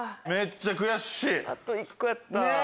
あと１個やった。ねぇ。